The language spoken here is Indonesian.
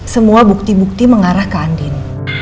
semua bukti bukti mengarah ke andin